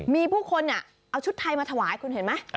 มีผู้คนเอาชุดไทยมาถวายคุณเห็นไหม